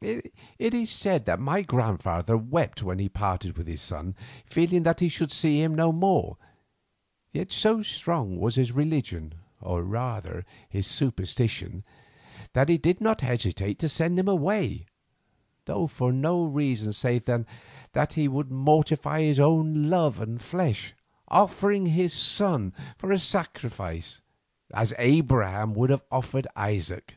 It is said that my grandfather wept when he parted with his son, feeling that he should see him no more; yet so strong was his religion, or rather his superstition, that he did not hesitate to send him away, though for no reason save that he would mortify his own love and flesh, offering his son for a sacrifice as Abraham would have offered Isaac.